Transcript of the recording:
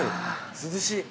涼しい。